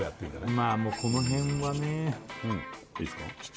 まあもうこの辺はねいいすか？